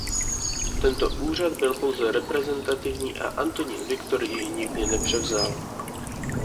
Tento úřad byl pouze reprezentativní a Antonín Viktor jej nikdy nepřevzal.